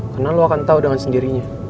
karena lo akan tahu dengan sendirinya